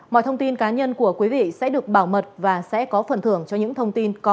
mọi thông tin cá nhân của quý vị sẽ được bảo mật và sẽ có phần thưởng cho những thông tin có